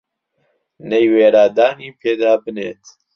نەیوێرا دانی پێدا بنێت